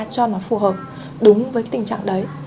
để nó phù hợp đúng với tình trạng đấy